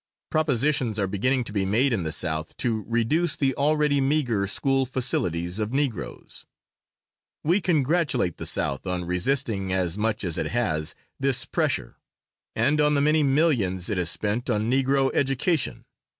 "Propositions are beginning to be made in the South to reduce the already meagre school facilities of Negroes. We congratulate the South on resisting, as much as it has, this pressure, and on the many millions it has spent on Negro education.